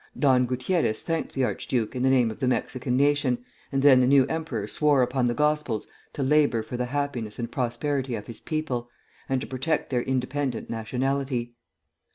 Don Gutierrez thanked the archduke in the name of the Mexican nation, and then the new emperor swore upon the Gospels to labor for the happiness and prosperity of his people, and to protect their independent nationality.